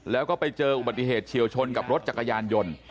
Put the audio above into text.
แล้วก็ไปเจออุบัติเหตุเฉียวชนกับรถจักรยานยนต์